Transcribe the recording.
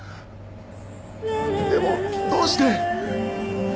でもどうして？